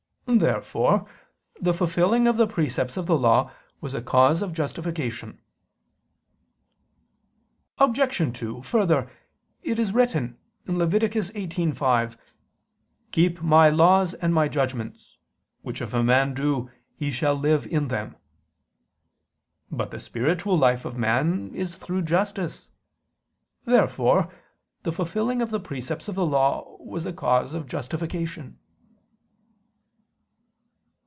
Therefore the fulfilling of the precepts of the Law was a cause of justification. Obj. 2: Further, it is written (Lev. 18:5): "Keep My laws and My judgments, which if a man do, he shall live in them." But the spiritual life of man is through justice. Therefore the fulfilling of the precepts of the Law was a cause of justification.